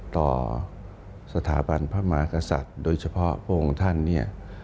ต่อสถาบันพระมหากษัตริย์โดยเฉพาะพระองค์ท่านเนี่ย